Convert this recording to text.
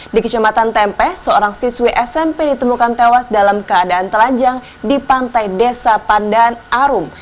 di kecamatan tempe seorang siswi smp ditemukan tewas dalam keadaan telanjang di pantai desa pandan arum